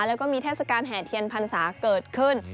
แล้วก็มีเทศกาลแห่เทียนพรรษาเกิดขึ้น